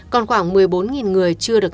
còn khoảng một mươi bốn người chưa được